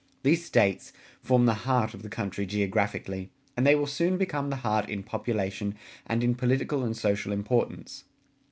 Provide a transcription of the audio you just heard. These states ... form the heart of the country geographically, and they will soon become the heart in population and in political and social importance.